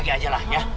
besok lagi aja lah ya